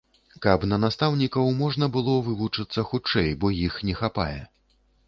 Каб на настаўнікаў можна было вывучыцца хутчэй, бо іх не хапае.